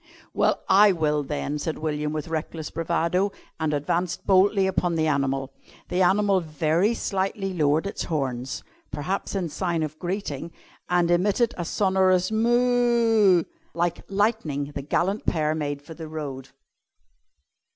"Well, I will, then!" said William with reckless bravado, and advanced boldly upon the animal. The animal very slightly lowered its horns (perhaps in sign of greeting) and emitted a sonorous mo o o o o. Like lightning the gallant pair made for the road.